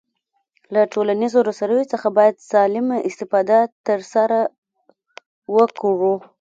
له ټولنیزو رسنیو څخه باید سالمه استفاده ترسره وکړو